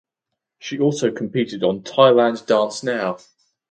She also competed on "Thailand Dance Now".